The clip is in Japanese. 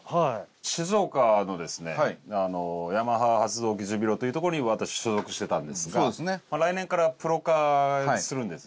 静岡のですねヤマハ発動機ジュビロというとこに私所属してたんですが来年からプロ化するんですね